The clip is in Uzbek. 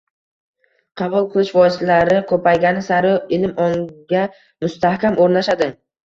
Qabul qilish vositalari ko‘paygani sari ilm ongga mustahkam o‘rnashadi.